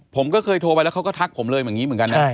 ผมก็เคยโทรไปแล้วเขาก็ทักผมเลยอย่างนี้เหมือนกันนะ